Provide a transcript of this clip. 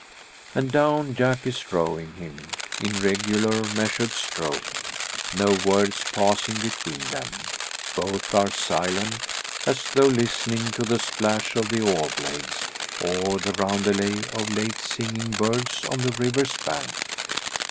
And down Jack is rowing him in regular measured stroke, no words passing between them. Both are silent, as though listening to the plash of the oar blades, or the roundelay of late singing birds on the river's bank.